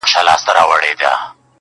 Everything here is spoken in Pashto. • اميد کمزوری پاتې کيږي دلته تل,